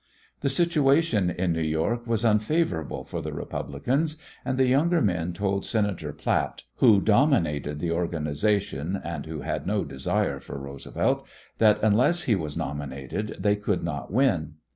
The situation in New York was unfavorable for the Republicans, and the younger men told Senator Platt, who dominated the organization and who had no desire for Roosevelt, that unless he was nominated they could not win.